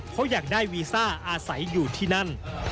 เพราะอยากได้วีซ่าอาศัยอยู่ที่นั่น